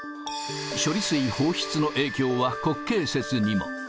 処理水放出の影響は国慶節にも。